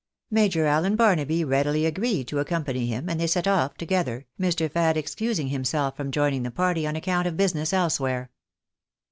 Major AUen Barnaby readily agreed to accompany him, and they set off together, Mr. Fad excusing himself from joining the party on account of business elsewhere.